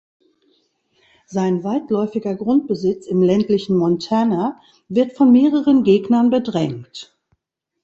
Sein weitläufiger Grundbesitz im ländlichen Montana wird von mehreren Gegnern bedrängt.